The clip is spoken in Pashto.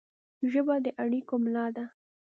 ژبه د اړیکو ملا ده